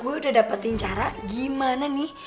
gue udah dapetin cara gimana nih